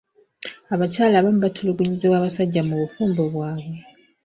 Abakyala abamu batulugunyizibwa abasajja mu bufumbo bwabwe.